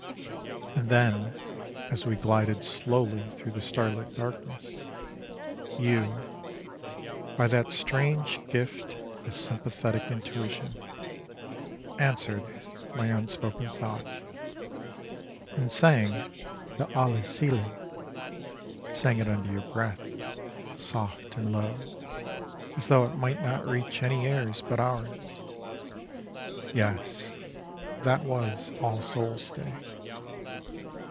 And then, as we glided slowly through the starlit darkness, you, by that strange gift of sympathetic intuition, answered my unspoken thought, and sang the Allerseelen, sang it under your breath, "soft and low," as though it might not reach any ears but ours yes, that was All Souls' Day.